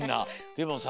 でもさ